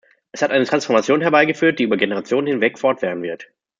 Es hat eine Transformation herbeigeführt, die über Generationen hinweg fortwähren wird.